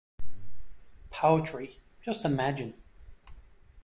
Poetry, just imagine!